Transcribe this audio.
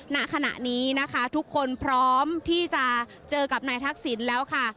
ณขณะนี้นะคะทุกคนพร้อมที่จะเจอกับนายทักษิณแล้วค่ะ